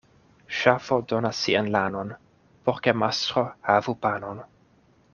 Ŝafo donas sian lanon, por ke mastro havu panon.